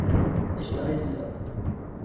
اشتهای زیاد